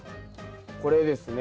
これですね。